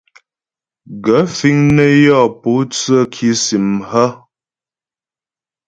Gaə̂ fíŋ nə́ yɔ pótsə́ kìsìm hə̀ ?